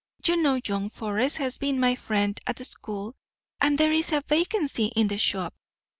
You know young Forrest has been my friend at school, and there is a vacancy in the shop.